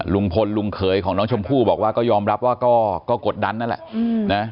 ลุงพลลุงเขยของน้องชมพู่บอกว่าก็ยอมรับว่าก็กดดันนั่นแหละนะ